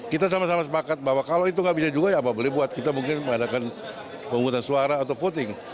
kita sama sama sepakat bahwa kalau itu nggak bisa juga ya apa boleh buat kita mungkin mengadakan penghutang suara atau voting